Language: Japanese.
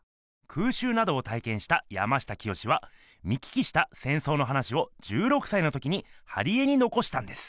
空襲などをたいけんした山下清は見聞きした戦争の話を１６さいの時に貼り絵にのこしたんです。